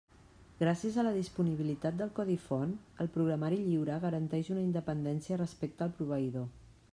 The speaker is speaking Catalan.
Gràcies a la disponibilitat del codi font, el programari lliure garanteix una independència respecte al proveïdor.